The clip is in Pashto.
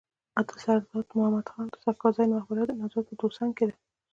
د سرداد مددخان ساکزي مقبره د نوزاد په دوسنګ کي ده.